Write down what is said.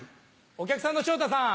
お客さんの昇太さん